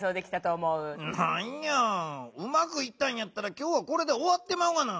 なんやうまくいったんやったら今日はこれでおわってまうがな！